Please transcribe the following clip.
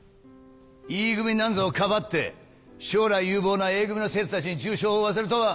Ｅ組なんぞをかばって将来有望なＡ組の生徒たちに重傷を負わせるとは！